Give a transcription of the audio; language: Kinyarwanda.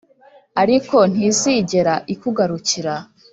ariko ntizigera ikugarukira.